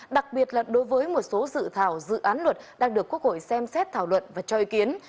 đặc biệt là đối với một số dự thảo dự án luật đang được quốc hội xem xét thảo luận và cho ý kiến